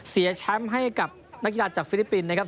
เสียแชมป์ให้กับนักกีฬาจากฟิลิปปินส์นะครับ